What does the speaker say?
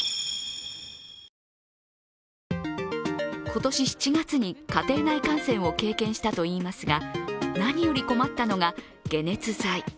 今年７月に家庭内感染を経験したといいますが、何より困ったのが、解熱剤。